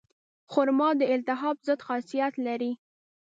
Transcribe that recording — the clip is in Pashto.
خرما د التهاب ضد خاصیت لري.